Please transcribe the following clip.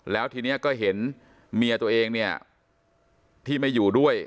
แล้วทีนี้ก็เห็นเมียตัวเองเนี่ยที่ไม่อยู่ด้วย